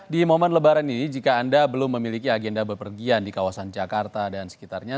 di momen lebaran ini jika anda belum memiliki agenda bepergian di kawasan jakarta dan sekitarnya